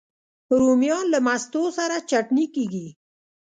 رومیان له مستو سره چټني کېږي